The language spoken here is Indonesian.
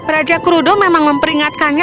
raja kurudo memang memperingatkannya